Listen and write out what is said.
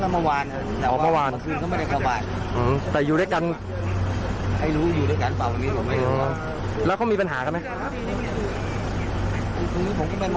ไม่ค่อยรู้เขาหรอก